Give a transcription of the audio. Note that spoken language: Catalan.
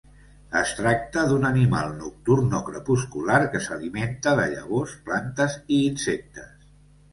Es tracta d'un animal nocturn o crepuscular que s'alimenta de llavors, plantes i insectes.